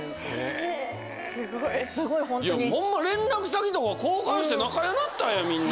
ホンマ連絡先とか交換して仲良なったらええみんな。